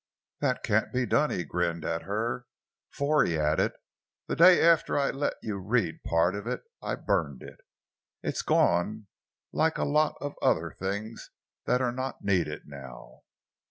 "That can't be done," he grinned at her. "For," he added, "that day after I let you read part of it I burnt it. It's gone—like a lot of other things that are not needed now!"